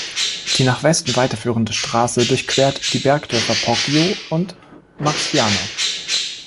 Die nach Westen weiterführende Straße durchquert die Bergdörfer Poggio und Marciana.